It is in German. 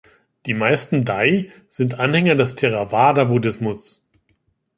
Die meisten Dai sind Anhänger des Theravada-Buddhismus.